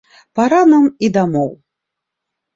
Пара нам і дамоў.